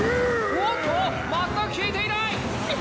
おっとまったく効いていない！